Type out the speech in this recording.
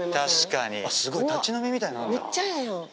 めっちゃええやん。